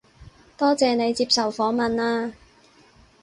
多謝你接受訪問啊